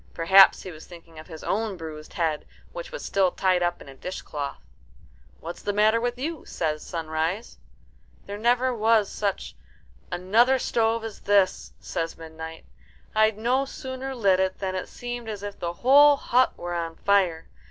Perhaps he was thinking of his own bruised head, which was still tied up in a dishcloth. "What's the matter with you?" says Sunrise. "There never was such another stove as this," says Midnight. "I'd no sooner lit it than it seemed as if the whole hut were on fire.